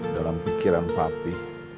dalam pikiran papi